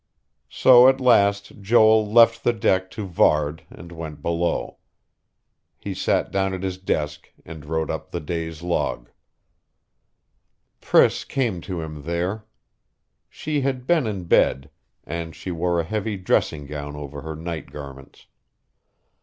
So at last Joel left the deck to Varde, and went below. He sat down at his desk and wrote up the day's log.... Priss came to him there. She had been in bed; and she wore a heavy dressing gown over her night garments.